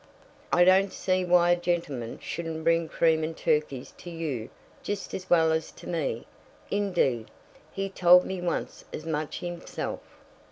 "I don't see why a gentleman shouldn't bring cream and turkeys to you just as well as to me. Indeed, he told me once as much himself."